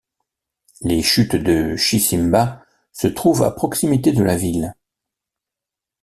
Les chutes de Chisimba se trouvent à proximité de la ville.